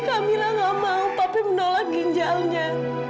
kamila tidak mau papi menolak ginjalnya